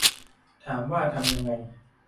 ถามว่าทำยังไง